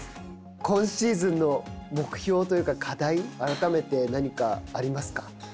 今シーズンの目標というか、課題、改めて何かありますか。